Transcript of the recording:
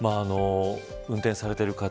運転されている方